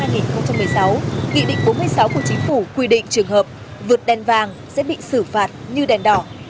nghị định bốn mươi sáu của chính phủ quy định trường hợp vượt đèn vàng sẽ bị xử phạt như đèn đỏ